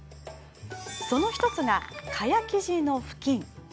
その１つが蚊帳生地のふきん。